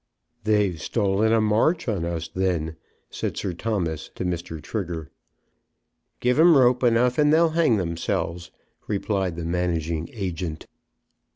"They've stolen a march on us, then," said Sir Thomas to Mr. Trigger. "Give 'em rope enough, and they'll hang themselves," replied the managing agent.